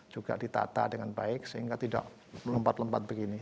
juga ditata dengan baik sehingga tidak lempat lempat begini